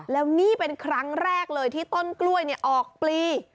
แล้วนี่เป็นครั้งแรกเลยที่ต้นกล้วยออกปลี